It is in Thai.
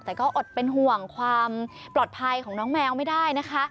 แต่ก็อดเป็นห่วงความปลอดภัยของน้องแมวไม่ได้นะคะ